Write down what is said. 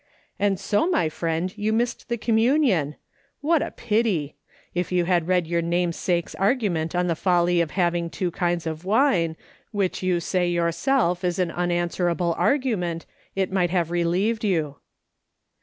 " And so, my friend, you missed the communion ! "^Miat a pity ! If you had read your namesake's argument on the folly of having two kinds of wine, which you say yourself is an unanswerable argu ment, it might have relieved you."